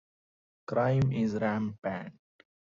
Crime is rampant.